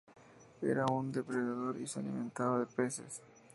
Era un depredador y se alimentaba de peces.